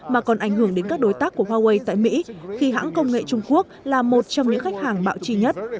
mà còn ảnh hưởng đến các đối tác của huawei tại mỹ khi hãng công nghệ trung quốc là một trong những khách hàng bạo trì nhất